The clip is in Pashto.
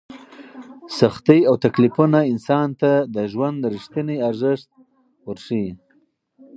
سختۍ او تکلیفونه انسان ته د ژوند رښتینی ارزښت وښيي.